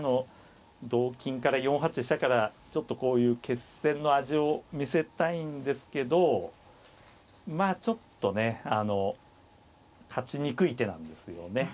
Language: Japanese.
同金から４八飛車からちょっとこういう決戦の味を見せたいんですけどまあちょっとねあの勝ちにくい手なんですよね。